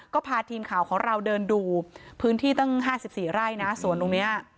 ก็พาทีมข่าวของเราเดินดูพื้นที่ตั้ง๕๔ไร่นะสวนตรงนี้